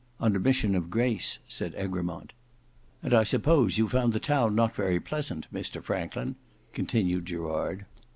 "On a mission of grace," said Egremont. "And I suppose you found the town not very pleasant, Mr Franklin," continued Gerard.